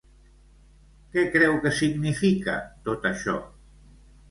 Què creu que significa, tot això?